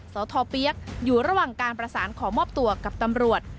สทเปี๊ยกอยู่ระหว่างการประสานขอมอบตัวกับตำรวจ